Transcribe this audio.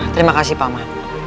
terima kasih paman